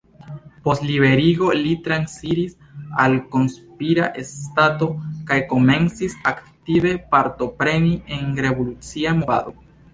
Post liberigo li transiris al konspira stato kaj komencis aktive partopreni en revolucia movado.